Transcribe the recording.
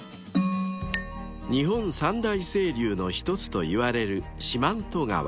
［日本三大清流の一つといわれる四万十川］